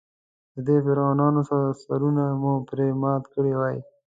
د دې فرعونانو سرونه مو پرې مات کړي وای.